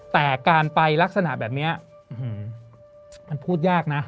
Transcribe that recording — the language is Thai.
แต่การไปลักษณะแบบนี้มันพูดยากนะ